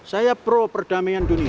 saya pro perdamian dunia